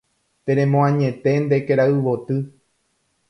Teremoañete nde kerayvoty